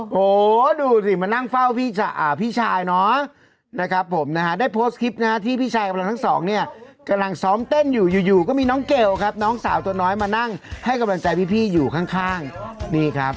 โหดูสิมานั่งเฝ้าพี่ชายเนาะนะครับผมนะฮะได้โพสต์คลิปนะฮะที่พี่ชายกำลังทั้งสองเนี่ยกำลังซ้อมเต้นอยู่อยู่ก็มีน้องเกลครับน้องสาวตัวน้อยมานั่งให้กำลังใจพี่อยู่ข้างนี่ครับ